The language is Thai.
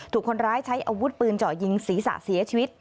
ถูกคนร้ายใช้อาวุธปืนเจาะยิงศีรษะเสียชีวิต